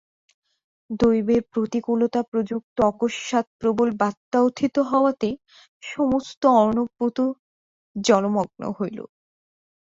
দৈবের প্রতিকূলতা প্রযুক্ত অকস্মাৎ প্রবল বাত্যা উত্থিত হওয়াতে সমস্ত অর্ণবপোত জলমগ্ন হইল।